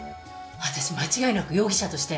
私間違いなく容疑者として被疑者？